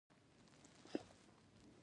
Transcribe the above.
ملګرو ته يې وکتل.